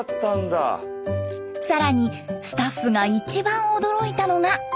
更にスタッフが一番驚いたのが。